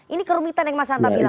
ini kerumitan yang mas hanta bilang